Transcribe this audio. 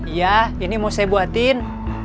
iya ini mau saya buatin